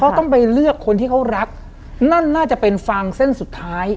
เขาต้องไปเลือกคนที่เขารักนั่นน่าจะเป็นฟางเส้นสุดท้าย